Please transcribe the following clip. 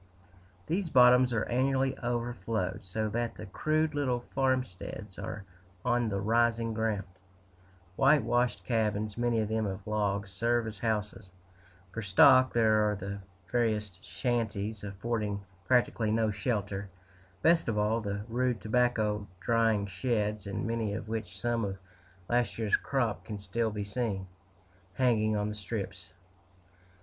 These bottoms are annually overflowed, so that the crude little farmsteads are on the rising ground whitewashed cabins, many of them of logs, serve as houses; for stock, there are the veriest shanties, affording practically no shelter; best of all, the rude tobacco drying sheds, in many of which some of last year's crop can still be seen, hanging on the strips.